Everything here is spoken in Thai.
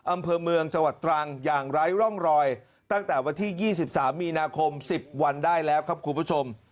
อำเภอเมืองจังหวัดตรังอย่างไร้ร่องรอยตั้งแต่วันที่๒๓มีนาคม๑๐วันได้แล้วครับคุณผู้ชม